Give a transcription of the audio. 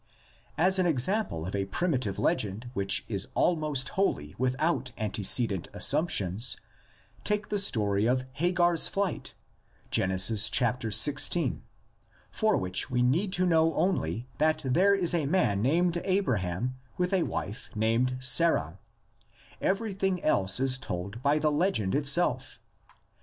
As an example of a primitive legend which is almost wholly without antecedent assumptions, take the story of Hagar's flight. Gen. xvi., for which we 46 THE LEGENDS OF GENESIS. need to know only that there is a man named Abra ham with a wife named Sarah; everything else is told by the legend itself.